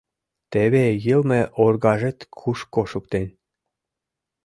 Теве йылме оргажет кушко шуктен!